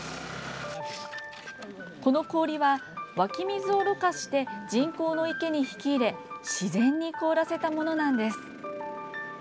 この氷は、湧き水をろ過して人工の池に引き入れ自然に凍らせたものなんです。